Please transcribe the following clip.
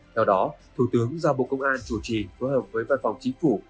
theo đó thủ tướng giao bộ công an chủ trì phối hợp với văn phòng chính phủ